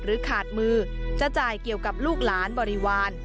ขาดมือจะจ่ายเกี่ยวกับลูกหลานบริวาร